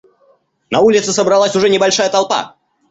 На улице собралась уже небольшая толпа.